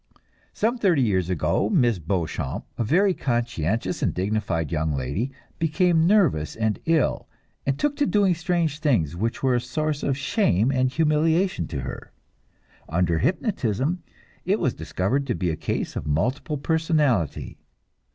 Some thirty years ago Miss Beauchamp, a very conscientious and dignified young lady, became nervous and ill, and took to doing strange things, which were a source of shame and humiliation to her. Under hypnotism it was discovered to be a case of multiple personality.